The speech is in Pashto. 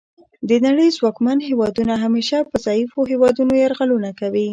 د نړۍ ځواکمن هیوادونه همیشه په ضعیفو هیوادونو یرغلونه کوي